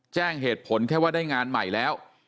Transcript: แจ้งเหตุผลแค่ว่าได้งานใหม่แล้ว